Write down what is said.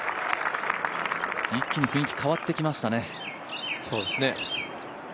一気に雰囲気変わってきましたね。